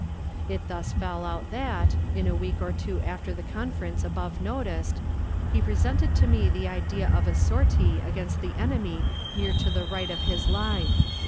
It thus fell out that, in a week or two after the conference above noticed, he presented to me the idea of a sortie against the enemy near to the right of his line.